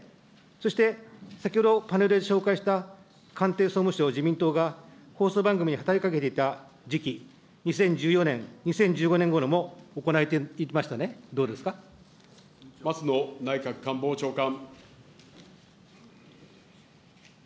そして、先ほどパネルで紹介した官邸、総務省、自民党が、放送番組に働きかけていた時期、２０１４年、２０１５年ごろも行松野内閣官房長官。